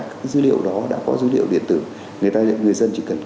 cái dữ liệu đó đã có dữ liệu điện tử người dân chỉ cần